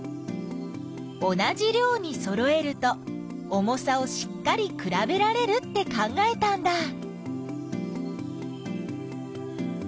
同じ量にそろえると重さをしっかりくらべられるって考えたんだ。